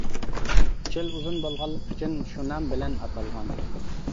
چۆل ئۇزۇن بولغانلىقى ئۈچۈن شۇ نام بىلەن ئاتالغان.